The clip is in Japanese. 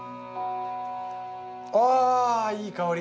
あいい香り。